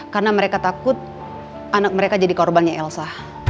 karena mereka takut anak mereka jadi korbannya elsa